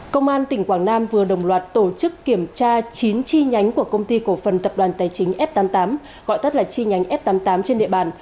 công an tỉnh quảng nam vừa đồng loạt tổ chức kiểm tra chín chi nhánh của công ty cổ phần tập đoàn tài chính f tám mươi tám gọi tắt là chi nhánh f tám mươi tám trên địa bàn